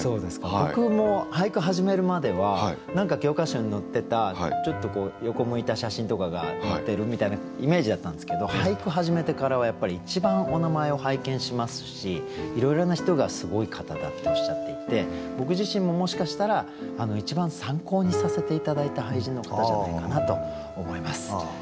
僕も俳句始めるまでは何か教科書に載ってたちょっと横向いた写真とかが載ってるみたいなイメージだったんですけど俳句始めてからはやっぱり一番お名前を拝見しますしいろいろな人がすごい方だっておっしゃっていて僕自身ももしかしたら一番参考にさせて頂いた俳人の方じゃないかなと思います。